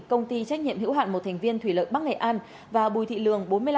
công ty trách nhiệm hữu hạn một thành viên thủy lợi bắc nghệ an và bùi thị lường bốn mươi năm